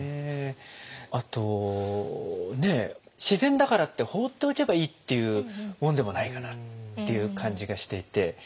自然だからって放っておけばいいっていうもんでもないかなっていう感じがしていて。